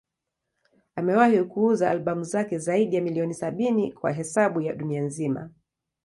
Amewahi kuuza albamu zake zaidi ya milioni sabini kwa hesabu ya dunia nzima.